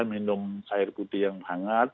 minum air putih yang hangat